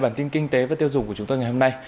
bản tin kinh tế và tiêu dùng của chúng tôi ngày hôm nay